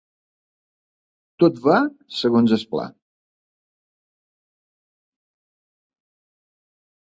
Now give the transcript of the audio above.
Tot va segons el pla.